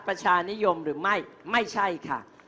ไปบุกคุย